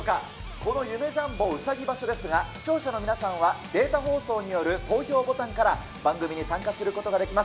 この夢・ジャンボうさぎ場所ですが、視聴者の皆さんはデータ放送による投票ボタンから番組に参加することができます。